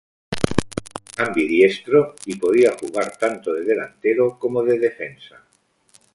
Era ambidiestro y podía jugar tanto de delantero como de defensa.